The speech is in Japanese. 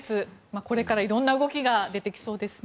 これから色んな動きが出てきそうですね。